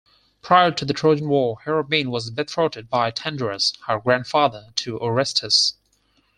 Prior to the Trojan War, Hermione was betrothed by Tyndareus, her grandfather, to Orestes.